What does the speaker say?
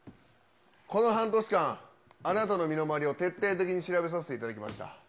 この半年間、あなたの身の回りを徹底的に調べさせていただきました。